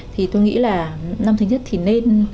thì tôi nghĩ là năm thứ nhất thì nên